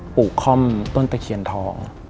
ลูกค่อมต้นตะเคียนทอง